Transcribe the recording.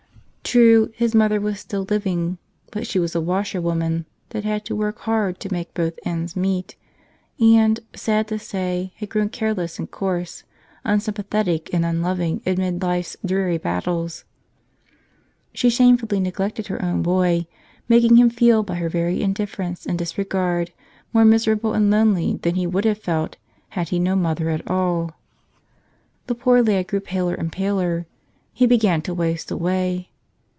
True, his mother was still living, but she was a washerwoman that had to work hard to make both ends meet and, sad to say, had grown careless and coarse, unsympathetic and unloving amid life's dreary battles. She shamefully neglected her own boy, making him feel by her very indifference and disregard more miserable and lonely than he would have felt had he had no mother at all. The poor lad grew paler and paler. He began to waste away.